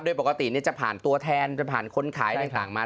โดยปกติจะผ่านตัวแทนจะผ่านคนขายต่างมา